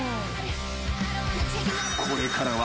［これからは］